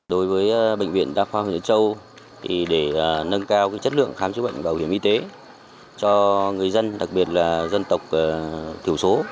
đối với bệnh viện đa khoa huyện diễn châu để nâng cao chất lượng khám chữa bệnh bảo hiểm y tế cho người dân đặc biệt là dân tộc thiểu số